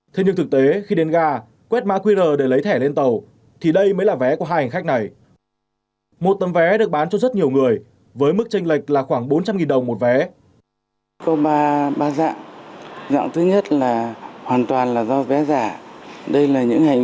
thế nhưng thực tế khi đến ga quét má qr để lấy thẻ lên tàu thì đây mới là vé của hai hành khách này